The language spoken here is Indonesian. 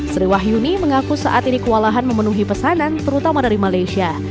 sri wahyuni mengaku saat ini kewalahan memenuhi pesanan terutama dari malaysia